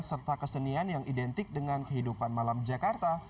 serta kesenian yang identik dengan kehidupan malam jakarta